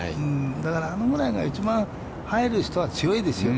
だから、あのぐらいが一番入る人は強いですよ。